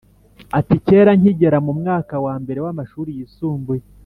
ati: “kera nkigera mu mwaka wa mbere w’amashuri yisumbuye